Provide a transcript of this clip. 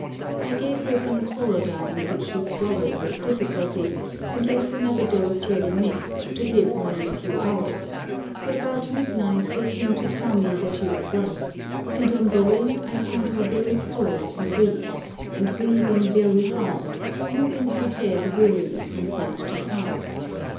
I gave her some chlorodyne, which she swallowed with difficulty, and left another dose ready mixed, to give her in a few hours; but about midnight they came to tell me that she was worse; and on going I found her very cold and weak, and breathing very hard, moving her head wearily from side to side.